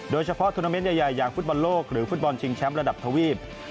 โดยเฉพาะทวนาเมนต์ใหญ่อย่างฟุตบอลโลกหรือฟุตบอลชิงแชมป์ระดับทวีป